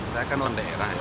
saya kan non daerah ya